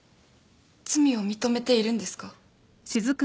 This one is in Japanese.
罪を認めているんですか？